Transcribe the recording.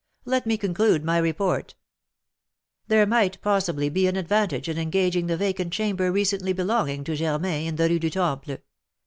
Let me conclude my report: "There might possibly be an advantage in engaging the vacant chamber recently belonging to Germain, in the Rue du Temple.